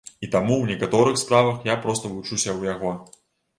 І таму ў некаторых справах я проста вучуся ў яго.